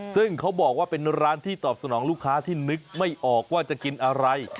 ส่วนของลูกค้าที่นึกไม่ออกว่าจะกินอะไร